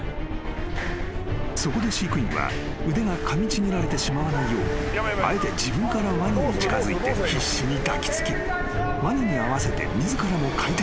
［そこで飼育員は腕がかみちぎられてしまわないようあえて自分からワニに近づいて必死に抱き付きワニに合わせて自らも回転］